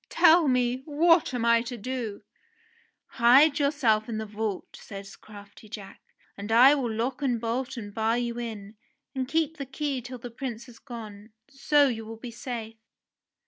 "Tell me, what am I to do ?" "Hide yourself in the vault," says crafty Jack, "and I will lock and bolt and bar you in, and keep the key till the Prince has gone. So you will be safe."